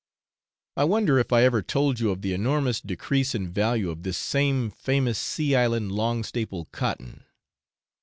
I wonder if I ever told you of the enormous decrease in value of this same famous sea island long staple cotton.